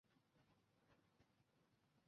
后移居大连。